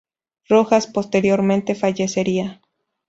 Rojas posteriormente fallecería.